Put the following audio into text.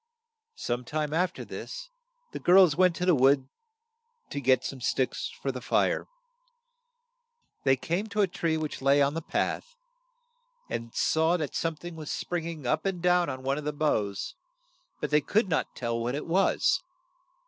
Some time af ter this, the girls went to the wood to get some sticks for the fire. They came to a tree which lay on the path, and saw that some thing was spring ing up and down on one of the boughs, but they could not tell what it was.